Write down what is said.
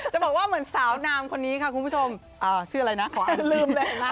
จะบอกว่าเหมือนสาวนามคนนี้ค่ะคุณผู้ชม